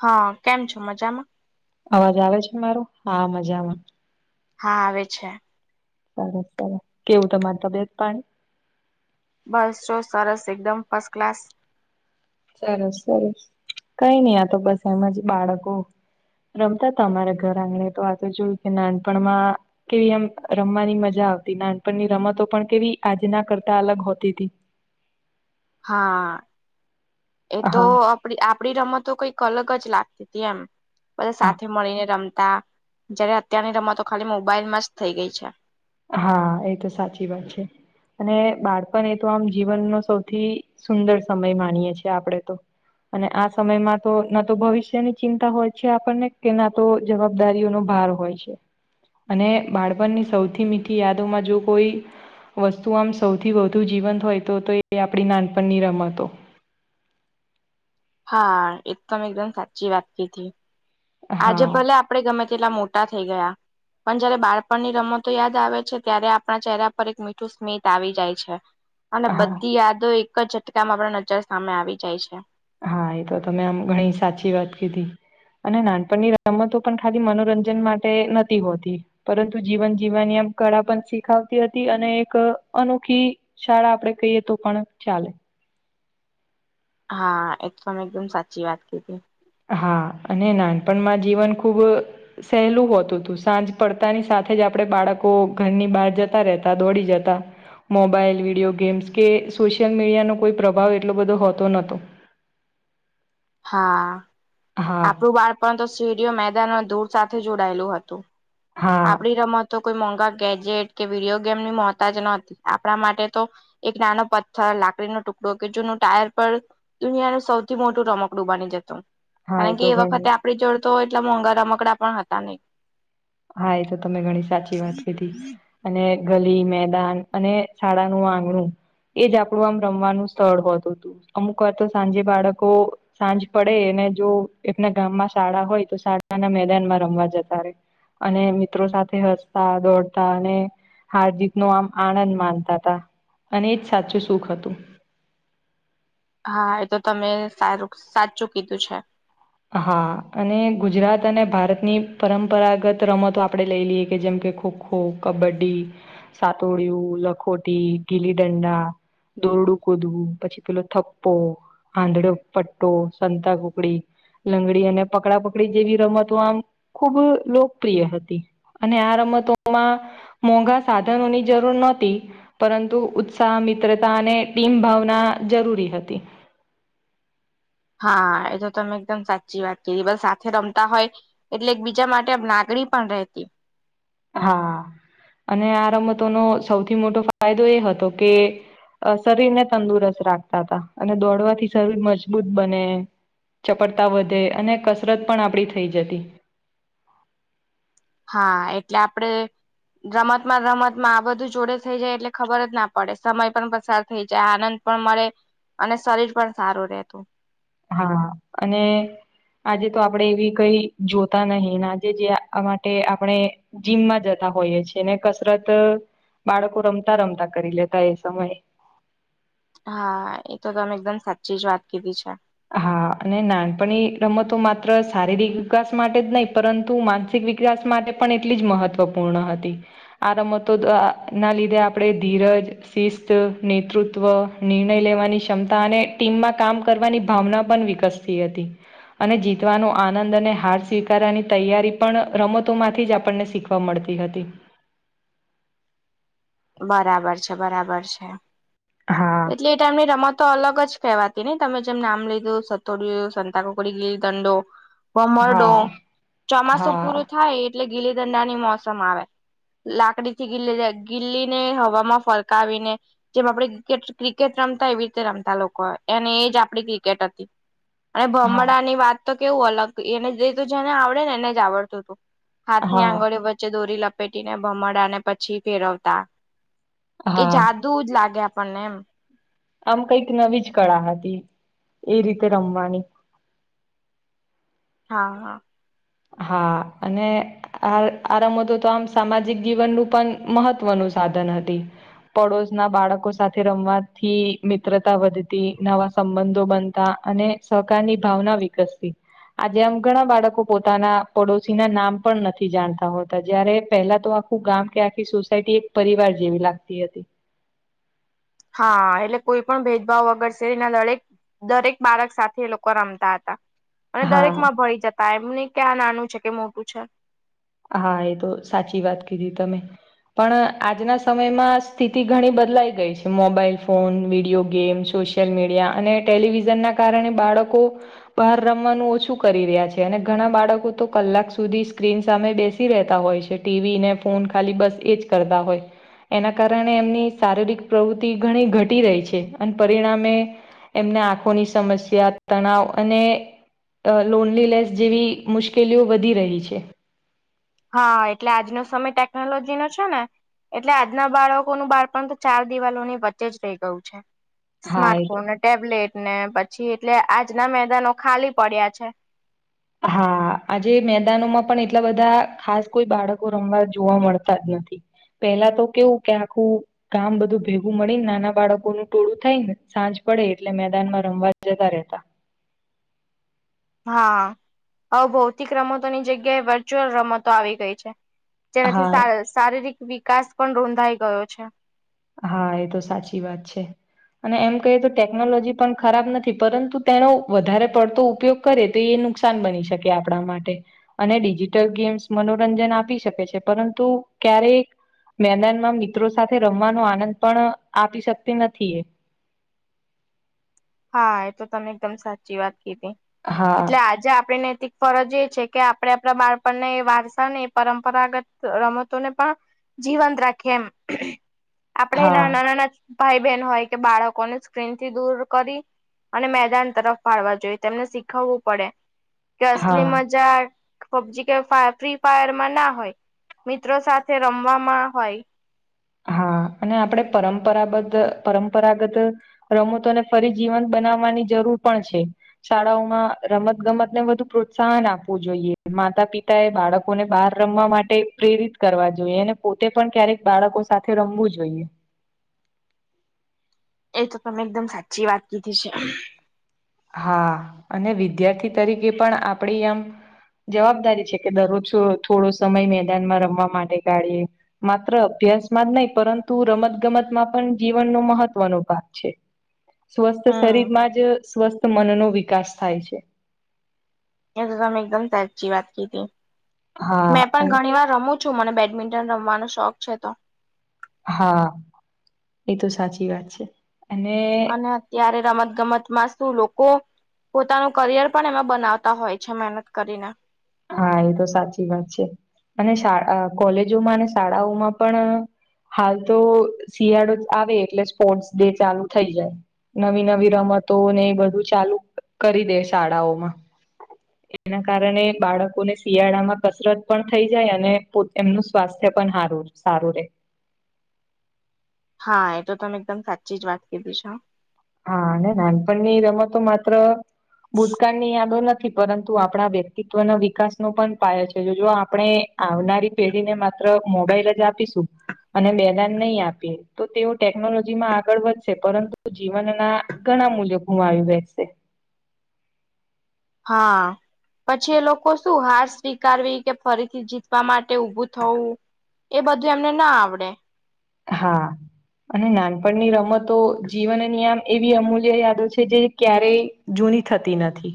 હા, કેમ છો મજામાં? અવાજ આવે છે મારો? હા મજામાં. હા આવે છે. સારું ચલો કેવું તમારી તબિયત પાણી? બસ જો સરસ એકદમ ફસ્ટ ક્લાસ. સરસ સરસ કઈ નઈ આતો બસ એમાં જ બાળકો રમતા તા અમારા ઘર આંગણે તો આ જે જોયું કે નાનપણમાં કેવી આમ રમવાની મજા આવતી નાનપણની રમતો પણ કેવી આજના કરતા અલગ હોતી હતી. હા, એતો હા આપણી રમતતો કઈક અલગ જ લાગતી હતી એમ, બધા હા સાથે મળીને રમતા. જયારે અત્યારની રમતો ખાલી મોબાઈલમાં જ થઇ ગઈ છે. હા, એ તો સાચી વાત છે. અને બાળપણ એ તો આમ જીવનનો સૌથી સુંદર સમય માનીએે છેએ આપણેે તો. અને આ સમયમાં તો, ના તો ભવિષ્યની ચિંતા હોય છે આપણને, કે ના તો જવાબદારીઓનો ભાર હોય છે, અને બાળપણની સૌ થી મીઠી યાદોમાં જો કોઈ વસ્તુ આમ સૌથી વધુ જીવંત હોય તો, તો એ આપણી નાનપણની રમતો. હા, એકદમ એકદમ સાચી વાત કીધી. આજે હા ભલે આપડે ગમે તેટલા મોટા થઈ ગયા. પણ જયારે બાળપણની રમતો યાદ આવે છે, ત્યારે આપણા ચહેરા પર એક મીઠું સ્મિત આવી જાય છે. અને હા બધી યાદો એક જ ઝટકામાં આપણી નજર સામે આવી જાય છે. હા, એ તો તમે આમ ઘણી સાચી વાત કીધી. અને નાનપણની રમતો પણ ખાલી મનોરંજન માટે નથી હોતી. પરંતુ જીવન જીવવાની આમ કળા પણ શીખાવતી હતી, અને એક અનોખી શાળા આપડે કહીયે તો પણ ચાલે. હા, એકદમ એકદમ સાચી વાત કીધી. હા, અને નાનપણ માં જીવન ખૂબ સહેલું હોતું હતું, સાંજ પડતાની સાથે જ આપડે બાળકો ઘરની બહાર જતા રહેતા, દોડી જતા મોબાઈલ, વિડીયો ગેમ્સ કે સોશિયલ મીડિયાનો કોઈ પ્રભાવ એટલો બધો હોતો નહોતો. હા હા આપણું બાળપણ તો સીડીઓ, મેદાનમાં દૂર સાથે જોડાયેલું હતું, હા આપણી રમત તો કોઈ મોંઘા ગેજેટ કે વિડીયો ગેમની મોહતાજ નહતી, આપણા માટે તો એક નાનો પથ્થર, લાકડી નો ટુકડો, કે જૂનું ટાયર પર દુનિયા નું સૌથી મોટું રમકડું બની જતું હા કારણ કે તો એ ઘણી વખતે આપડી જોડેતો, એટલે મોંઘા રમકડા પણ હતા નહી. હા, એ તો તમે ઘણી સાચી વાત કીધી. અને ગલી, મેદાન અને શાળાનું આંગણું એ જ આપડું આમ રમવાનું સ્થળ હોતું તું, અમુક વાર તો સાંજે બાળકો સાંજ પડે અને જો એમના ગામમાં શાળા હોય તો શાળાના મેદાન માં રમવા જતા રહેે. અને મિત્રો સાથે હસતા, દોડતા અને હાર્દિક નો આમ આનંદ માનતા હતા, અને એજ સાચું સુખ હતું. હા એ તો તમે સારું સાચું કીધું છે. હા, અને ગુજરાત અને ભારતની પરંપરાગત રમતો આપણે લઈ લઈએ કે જેમ કે ખોખ ખો, કબડ્ડી, સાતોડ્યુ, લખોટી, ગીલી દંડા દોરડું કૂદવું, પછી પેલો થપ્પો, આંધડો પટ્ટો, સંતા કુકડી. લંગડી અને પકડાપકડી જેવી રમતો આમ ખૂબ લોકપ્રિય હતી. અને આ રમતોમાં મોંઘા સાધનોની જરૂર નોતી. પરંતુ ઉત્સાહ, મિત્રતા અને ટીમ ભાવના જરૂરી હતી. હા, એ તો તમે એકદમ સાચી વાત કીધી, બસ સાથે રમતા હોય. એટલે એક બીજા માટે આમ લાગણી પણ રહેતી. હા, અને આ રમતોનો સૌથી મોટો ફાયદો એ હતો કે. અ શરીર ને તંદુરસ્ત રાખતા હતા, અને દોડવાથી શરીર મજબૂત બને. ચપટતા વધે, અને કસરત પણ આપણી થઈ જતી. હા એટલે આપડે રમત માં રમત માં આ બધું જોડે થઈ જાય એટલે ખબર જ ના પડે સમય પણ પસાર થઈ જાય આનંદ પણ મળે અને શરીર પણ સારું રહેતું હા અને આજે તો આપણેે એવી કઈ જોતા નહીં આજે જે માટે આપણે જીમમાં જતાં હોઈએ છે ને કસરત બાળકો રમતાં રમતાં કરી લેતા એ સમયે હા એ તો તમે એકદમ સાચી જ વાત કીધી છે. હા અને નાનપણી રમતો માત્ર શારીરિક વિકાસ માટે જ નહીં પરંતુ માં વિકાસ માટે પણ એટલી જ મહત્વપૂર્ણ હતી આ રમતો નાં લીધે આપણેે ધીરજ શિસ્ત નેતૃત્વ નિર્ણય લેવાની ક્ષમતા અને ટીમમાં કામ કરવાની ભાવના પણ વિકસતી હતી. અને આનંદ અને હાર સ્વીકારવાની તૈયારી પણ રમતોમાંથી જ શીખ વા મળતી હતી. બરાબર છે બરાબર છે. હા એ ટાઈમની રમતો અલગ જ કહેવાતી ને તમે જેમ નામ લીધું સતોડુ સંતાકોકડી ગેલી દંડો ભમરડો હા ચોમાસું હા પૂરું થાય એટલે ગીલી દંડાની મોસમ આવે. લાકડી થી ગીલી ગીલીને હવામાં ફરકાવીને જેમ આપડે ક્રિકેટ રમતાં એવી રીતે રમતાં લોકો અનેને એજ આપડી ક્રિકેટ હતી. અને હા ભમરડાની વાત તો કેવું અલગ એને તું જેને આવડે ને એને જ આવડતું તું. હાથની હા આંગળીઓ વચ્ચેદોરી લપેટીને ભમડાને પછી ફેરવતા એ હા જાદુ જ લાગે આપણને એમ. આમ કંઈક નવી જ કળા હતી એ રીતે રમવાની. હા હા હા અને આ આ રમતો તો સામાજિક જીવનનું પણ મહત્વનું સાધન હતું પડોશ ના બાળકો સાથે રમવાથી મિત્રતા વધતી નવા સંબંધો બનતાં અને સહકારની ભાવના વિકસતી આજે આમ ઘણાં બાળકો પોતાના પડોશી ના નામ પણ નથી જાણતા હોતા પહેલાં તો આખું ગામ કે આખી સોસાયટી પરિવાર જેવી લાગતી હતી. હા એટલે કોઈ પણ ભેદભાવ વગર શેરી ના લડેક દરેક બાળક સાથે એ લોકો રમતાં હતાં. અને હા દરેક માં ભળી જતાં એમન‌ઇ કેઆ નાનું છે કે મોટું છે. હા એ તો સાચી વાત કીધી તમે. પણ આજના સમયમાં સ્થિતિ ઘણી બદલાઈ ગઈ છે. Mobile phone video game social social media અને ટેલિવિઝન ના કારણે બાળકો બહાર રમવાનું ઓછું કરી રહ્યા છે. અને ઘણાં બાળકો તો કલાક સુધી સ્ક્રીન સામે બેસી રહેતાં હોય છે. ટીવી ને ફોન ખાલી બસ એજ કરતાં હોય. એના કારણે એમની શારીરિક પ્રવૃત્તિ ઘણી ઘટી રહી છે અને પરિણામે એમને આંખોની સમસ્યા તણાવ અને અ લોનલીનેસ જેવી મુશ્કેલીઓ વધી રહી છે. હા એટલે આજનો સમય ટેકનોલોજી નો છે. ને એટલે આજના બાળકોનું બાળપણ તો ચાર દિવાલોની વચ્ચે જ રહી ગયું છે. હા એ સ્માર્ટફોન ટેબલેટ ને પછી એટલે આજના મેદાનો ખાલી પડ્યા છે‌. હા આજે મેદાનોમાં પણ એટલા બધા ખાસ કોઈ બાળકો રમવા જોવા મળતા જ નથી. પેલા તો કેવું કે આખું કામ બધું ભેગું મળી ને નાના બાળકોનું ટોળું થઈ ને સાંજ પડે એટલે મેદાનમાં રમવા જતા રહેતા હા અવે ભૌતિક રમતોની જગ્યાએ વર્ચ્યુઅલ રમતો આવી ગઈ છે. જેનાથી હા શા શારીરિક વિકાસ પણ રોંધાઈ ગયો છે. હા એ તો સાચી વાત છે. અને એમ કહીએ તો ટેકનોલોજી પણ ખરાબ નથી પરંતુ તેનો વધારે પડતો ઉપયોગ કરે તો એ નુકસાન બની શકે આપણા માટે અને ડિજિટલ ગેમ્સ મનોરંજન આપી શકે છે પરંતુ ક્યારેક મેદાનમાં મિત્રો સાથે રમવાનો આનંદ પણ આપી શકતી નથી એ હા એ તો તમે એકદમ સાચી વાત કીધી હા એટલે આજે આપણી નૈતિક ફરજ એ છે કે આપણે આપણા બાળપણ ના વારસા ને એ પરંપરાગત રમતોને પણ જીવંત રાખે એમ આપણેે હા નાના નાના ભાઈ બહેન હોય કે બાળકોને સ્ક્રીન થી દૂર કરી અને મેદાન તરફ વાળવા જોઈએ તેમને શીખવવું પડે કે અસલી હા મજા પબજી કે ફા ફ્રી ફાયર માં ના હોય મિત્રો સાથે રમવામાં હોય હા અને આપણે પરંપરાબધ પરંપરાગત રમતોને ફરી જીવંત બનાવવાની જરૂર પણ છે. શાળાઓમાં રમત ગમત ને વધુ પ્રોત્સાહન આપવું જોઈએ માતા પિતા એ બાળક કો ને બહાર રમવા માટે પ્રેરિત કરવા જોઈએ અને પોતે પણ ક્યારેક બાળકો સાથે રમવું જોઈએ. એ તો તમે એકદમ સાચી વાત કીધી છે. હા અને વિદ્યાર્થી તરીકે પણ આપડી આમ જવાબદારી છે કે દરરોજ થોડો સમય મેદાનમાં રમવા માટે ગાડીએ માત્ર અભ્યાસમાં જ નહી પરંતુ રમત ગમતમાં પણ જીવનનો મહત્વનો ભાગ છે. સ્વસ્થ હમ શરીર માં જ સ્વસ્થ મનનો વિકાસ થાય છે. એકદમ એકદમ સાચી વાત કીધી હા મેં પણ અને ઘણી વાર રમું છું મને બેડમિન્ટન રમવાનો શોખ છે તો હા એ તો સાચી વાત છે. અને અને અત્યારે રમત ગમત માં શું લોકો પોતાનું કરિયર પણ એમાં બનાવતા હોય છે મહેનત કરીને હા એ તો સાચી વાત છે અને શા અ કોલેજોમાં અને શાળાઓમાં પણ હાલ તો શિયાળો આવે એટલે સ્પોર્ટ્સ ડે ચાલુ થઈ જાય. નવી નવી રમતો ને એ બધું ચાલુ કરી દે શાળાઓમાં એના કારણે બાળકોને શિયાળામાં કસરત પણ થઈ જાય અને પો એમનું સ્વાસ્થ્ય પણ હારું સારું રહેે. હા એ તો તમે એકદમ સાચી જ વાત કીધી છે હો. હા અને નાનપણની રમતો માત્ર ભૂતકાળની યાદો ન પરંતુ આપણા વ્યક્તિત્વ ના વિકાસ નો પણ પાયો છે જો આપણે આવનારી પેઢીને માત્ર મોબાઈલ જ આપીશું અને બેદાન નહીં આપીએ તો તેઓ ટેકનોલોજી માં આગળ વધશે પરંતુ જ જીવન ના ઘણા મૂલ્યો ગુમાવવી બેસે. હા. પછી એ લોકો શું હાર સ્વીકારવી કે ફરીથી જીતવા માટે ઉભું થવું એ બધું અમને ના આવડે. હા. અને નાનપણની રમતો, જીવનની આમ એવી અમૂલ્ય યાદો છે જે ક્યારેય જૂની થતી નથી.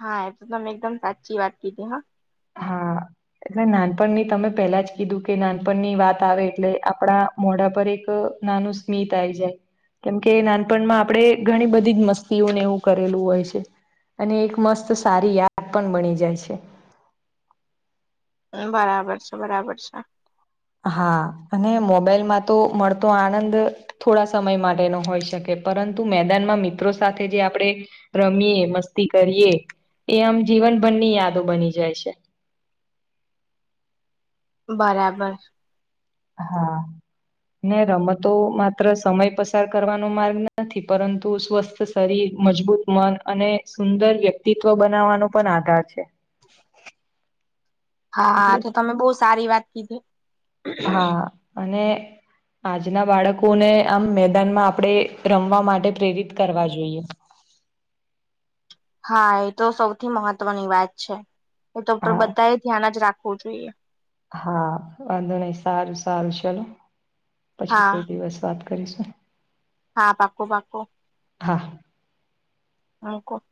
હા, એ તો તમેં એકદમ સાચી વાત કીધી હા. હા, એટલે નાનપણની તમે પેલા જ કીધું કે નાનપણની વાત આવે એટલે આપડા મોઢા પર એક, નાનું સ્મિત આઈ જાય. કેમકે એ નાનપણમાં આપડે, ઘણી બધી જ મસ્તીઓ ને એવું કરેલું હોય છે. અને એક મસ્ત સારી [inaudible] પણ બની જાય છે. બરાબર છે, બરાબર છે. અહા, અને મોબાઈલમાં તો મળતો આનંદ થોડા સમય માટેનો હોઈ શકે, પરંતુ મેદાનમાં મિત્રો સાથે જે આપડે રમીએ, મસ્તી કરીએ, એ આમ જીવનભરની યાદો બની જાય છે. બરાબર. અહા ને રમતો, માત્ર સમય પસાર કરવાનો માર્ગ નથી પરંતુ [unintelligible] [unintelligible] શરીર મજબૂત મન અને સુંદર વ્યક્તિત્વ બનાવાનો પણ આધાર છે. હા, એટલે તો તમે બહુ સારી વાત કીધી. હા, અને આજના બાળકોને, આમ મેદાનમાં આપડે, રમવા માટે પ્રેરિત કરવા જોઈએ. હા એ તો સૌથી મહત્વની વાત છે [unintelligible] હા બધા એ ધ્યાન જ રાખવું જોઈએ. હા, અને સારું સારું ચલો, પછી હા કોઈ દિવસ વાત કરીશું. હા, પાક્કુ પાક્કુ હા [unintelligible]